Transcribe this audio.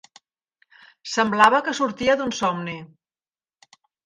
Semblava que sortia d'un somni.